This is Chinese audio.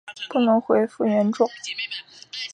不能回复原状